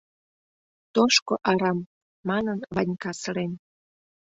Тошко арам! — манын, Ванька сырен.